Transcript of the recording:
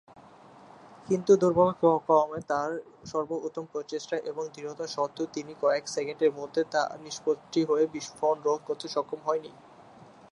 কিন্তু দুর্ভাগ্যক্রমে, তার সর্বোত্তম প্রচেষ্টা এবং দৃঢ়তা সত্ত্বেও, তিনি কয়েক সেকেন্ডের মধ্যে, তাঁর নিষ্পত্তি হয়ে বিস্ফোরণ রোধ করতে সক্ষম হননি।